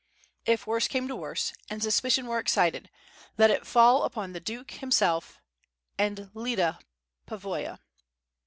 If worst came to worst, and suspicion were excited, let it fall upon the Duke himself, and Lyda Pavoya.